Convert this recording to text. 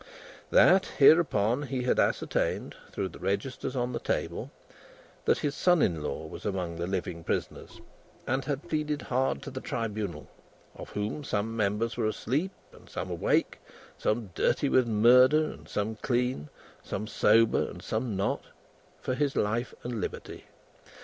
That, hereupon he had ascertained, through the registers on the table, that his son in law was among the living prisoners, and had pleaded hard to the Tribunal of whom some members were asleep and some awake, some dirty with murder and some clean, some sober and some not for his life and liberty.